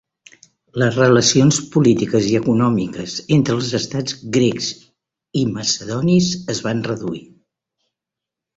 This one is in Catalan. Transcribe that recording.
Les relacions polítiques i econòmiques entre els estats grecs i macedonis es van reduir.